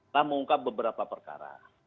telah mengungkap beberapa perkara